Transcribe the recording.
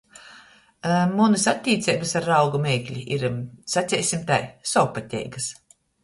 Munys attīceibys ar rauga meikli ir, saceisim tai, sovpateigys.